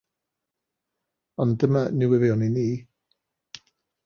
Ond dyma newyddion i ni.